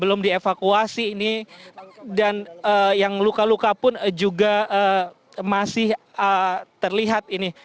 belum dievakuasi ini dan yang luka luka pun juga masih terlihat ini